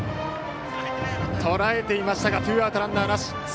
とらえていましたがツーアウト、ランナーなし。